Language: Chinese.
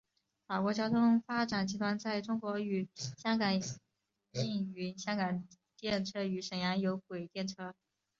法国交通发展集团在中国与香港营运香港电车与沈阳有轨电车。